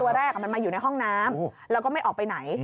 วันแรกมันมาอยู่ในห้องน้ำแล้วก็ไม่ออกไปไหน